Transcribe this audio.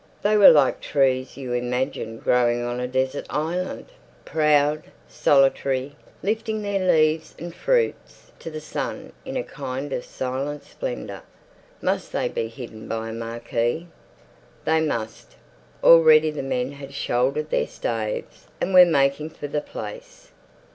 They were like trees you imagined growing on a desert island, proud, solitary, lifting their leaves and fruits to the sun in a kind of silent splendour. Must they be hidden by a marquee? They must. Already the men had shouldered their staves and were making for the place.